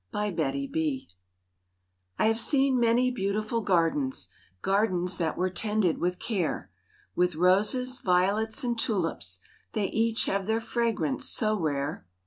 *MY GARDEN* I have seen many beautiful gardens, Gardens that were tended with care, With roses, violets and tulips,— They each have their fragrance so rare.